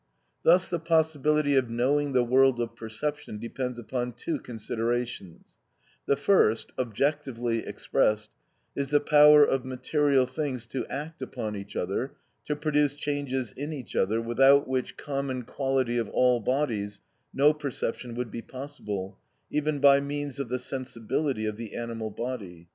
Thus the possibility of knowing the world of perception depends upon two conditions; the first, objectively expressed, is the power of material things to act upon each other, to produce changes in each other, without which common quality of all bodies no perception would be possible, even by means of the sensibility of the animal body.